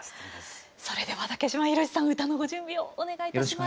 それでは竹島宏さん歌のご準備をお願いいたします。